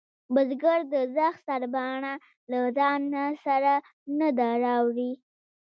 بزگر د زخ سرباڼه له ځانه سره نه ده راوړې.